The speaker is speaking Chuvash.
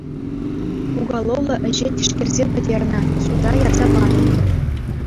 Уголовлӑ ӗҫе тишкерсе пӗтернӗ, суда ярса панӑ.